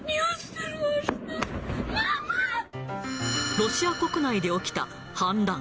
ロシア国内で起きた反乱。